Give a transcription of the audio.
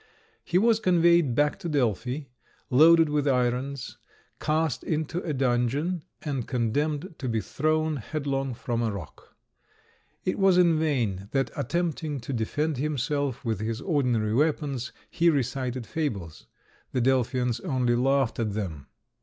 He was conveyed back to Delphi, loaded with irons, cast into a dungeon, and condemned to be thrown headlong from a rock. It was in vain that, attempting to defend himself with his ordinary weapons, he recited fables. The Delphians only laughed at them.